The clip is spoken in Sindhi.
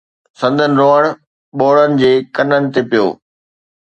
سندن روئڻ ٻوڙن جي ڪنن تي پيو.